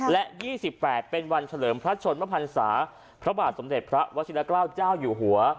และ๒๘เป็นวันเฉลิมพระชนมพันศาพระบาทสมเด็จพระวชิละเกล้าเจ้าอยู่หัว